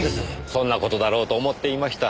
そんな事だろうと思っていました。